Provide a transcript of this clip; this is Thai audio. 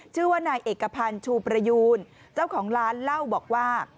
ชื่อว่านายเอกพันธ์ชูประยูนเจ้าของร้านเล่าบอกว่า